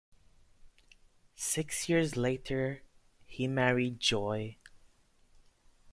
Six years later, he married Joy.